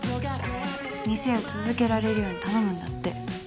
店を続けられるように頼むんだって。